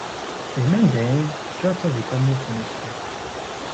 Lmandarin teččuṛ d tabiṭamint C.